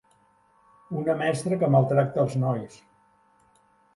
Una mestra que maltracta els nois.